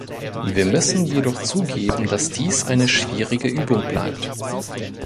Wir müssen jedoch zugeben, dass dies eine schwierige Übung bleibt.